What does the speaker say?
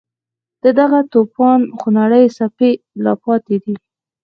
د دغه توپان خونړۍ څپې لا پاتې دي.